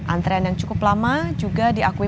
antrean yang cukup lama juga diakui